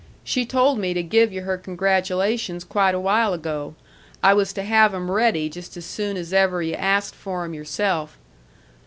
She told me to give yu' her congratulations quite a while ago. I was to have 'em ready just as soon as ever yu' asked for 'em yourself."